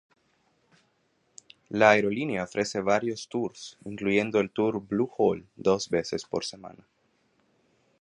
La aerolínea ofrece varios tours, incluyendo el tour Blue Hole dos veces por semana.